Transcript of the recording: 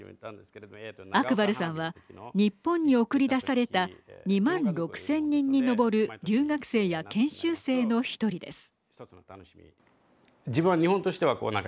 アクバルさんは日本に送り出された２万６０００人に上る留学生や研修生の１人です。